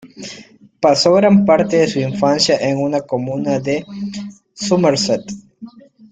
Pasó gran parte de su infancia en una comuna de Somerset.